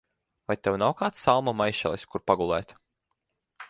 Vai tev nav kāds salmu maišelis, kur pagulēt?